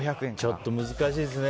ちょっと難しいですね。